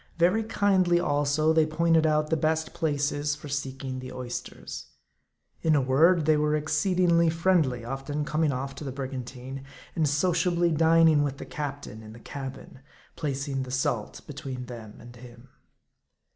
Very kindly, also, they pointed out the best places for seeking the oysters. In a word, they were exceedingly friendly ; often coming off to the brigantine, and sociably dining with the captain in the, cabin; placing the salt be tween them and him.